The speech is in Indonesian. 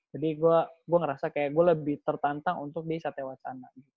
jadi gue ngerasa kayak gue lebih tertantang untuk di satya wacana